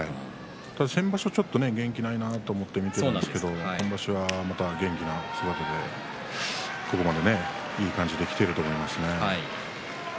先場所、元気がないなと思って見ていたんですけれども今場所は、また元気な姿でここまでいい感じできていると思いますね。